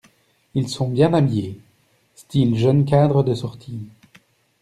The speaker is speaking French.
Ils sont bien habillés, style jeunes cadres de sortie.